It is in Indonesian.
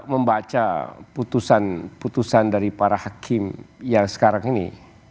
membaca putusan putusan dari para hakim yang sekarang ini